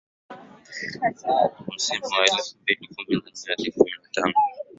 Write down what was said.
Msimu wa elfu mbili kumi na nne hadi kumi na tano